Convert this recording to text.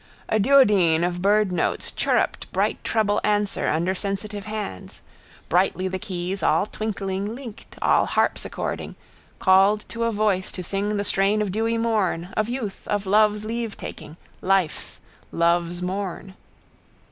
_ A duodene of birdnotes chirruped bright treble answer under sensitive hands. Brightly the keys, all twinkling, linked, all harpsichording, called to a voice to sing the strain of dewy morn, of youth, of love's leavetaking, life's, love's morn.